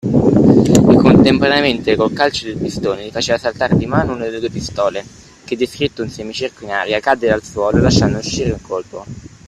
E contemporaneamente col calcio del pistone gli faceva saltar di mano una delle due pistole, che descritto un semicerchio in aria, cadde al suolo, lasciando uscire il colpo.